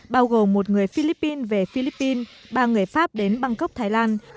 bao gồm một người philippines về philippines ba người pháp đến bangkok thái lan